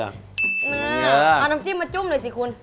เอาน้ำจิ้มมาจุ้มหน่อยสิคุณ